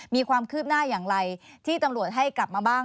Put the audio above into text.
มีความคืบหน้าอย่างไรที่ตำรวจให้กลับมาบ้าง